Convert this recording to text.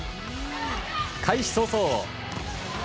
開始早々。